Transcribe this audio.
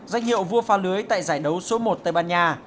danh hiệu vua pha lưới tại giải đấu số một tây ban nha